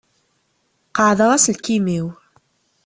Qaεdeɣ aselkim-iw.